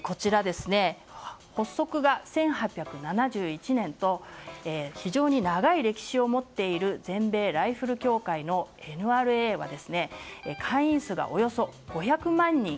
発足が１９７１年と非常に長い歴史を持っている全米ライフル協会のＮＲＡは会員数がおよそ５００万人。